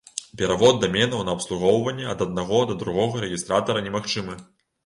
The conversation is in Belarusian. Перавод даменаў на абслугоўванне ад аднаго да другога рэгістратара немагчымы.